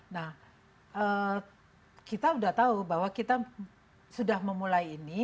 nah kita sudah tahu bahwa kita sudah memulai ini